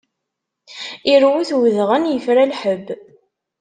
Irwet udɣen, ifra lḥebb!